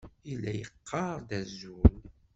Yella yeqqar-d azul.